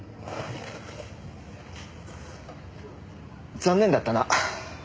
残念だったな。